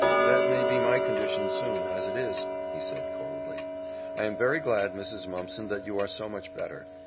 "That may be my condition soon, as it is," he said coldly. "I am very glad, Mrs. Mumpson, that you are so much better.